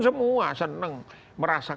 semua seneng merasa